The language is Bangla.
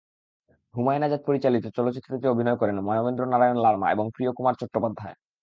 হুমায়ুন আজাদ পরিচালিত চলচ্চিত্রটিতে অভিনয় করেন মানবেন্দ্র নারায়ণ লারমা এবং প্রিয়কুমার চট্টোপাধ্যায়।